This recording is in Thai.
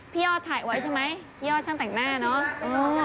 พี่อ้อถ่ายไว้ใช่ไหมพี่อ้อช่างแต่งหน้าเนอะสิบน้อย